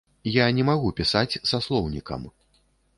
Я не магу пісаць са слоўнікам.